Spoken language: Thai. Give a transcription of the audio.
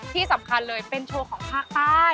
ที่สำคัญเลยเป็นโชว์ของภาคใต้